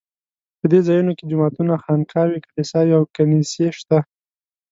په دې ځایونو کې جوماتونه، خانقاوې، کلیساوې او کنیسې شته.